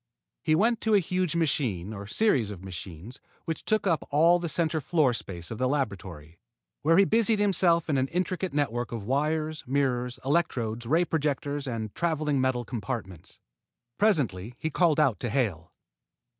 He went to a huge machine or series of machines which took up all the center floor space of the laboratory, where he busied himself in an intricate network of wires, mirrors, electrodes, ray projectors, and traveling metal compartments. Presently he called out to Hale.